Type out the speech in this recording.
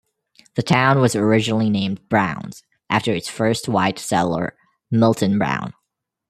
The town was originally named Brown's after its first white settler, Milton Brown.